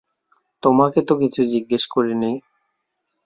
তোমাকে তো কিছু জিজ্ঞেস করি নি।